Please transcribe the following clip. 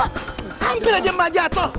hampir aja mbak jatuh